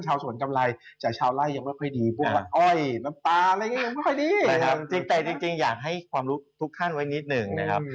จริงอยากให้ความรู้ทุกขั้นไว้นิดนึงนะครับ